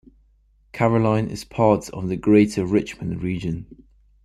Caroline is part of the Greater Richmond Region.